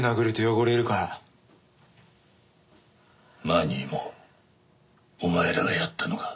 マニーもお前らがやったのか？